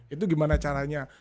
itu gimana caranya